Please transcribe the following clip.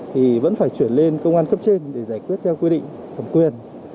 thì vẫn phải chuyển lên công an cấp trên để giải quyết theo quy định thẩm quyền